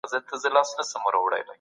د کار فرهنګ باید دود سي.